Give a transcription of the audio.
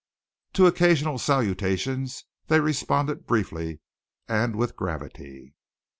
To occasional salutations they responded briefly and with gravity.